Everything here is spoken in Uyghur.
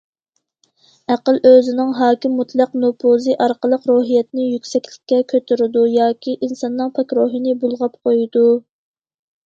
ئەقىل ئۆزىنىڭ ھاكىممۇتلەق نوپۇزى ئارقىلىق روھىيەتنى يۈكسەكلىككە كۆتۈرىدۇ ياكى ئىنساننىڭ پاك روھىنى بۇلغاپ قويىدۇ.